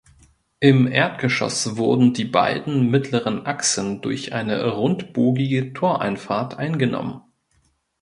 Im Erdgeschoss wurden die beiden mittleren Achsen durch eine rundbogige Toreinfahrt eingenommen.